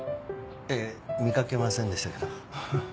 ええ見掛けませんでしたけど。